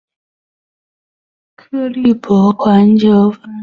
克利伯环球帆船赛是八赛段环球航行赛事。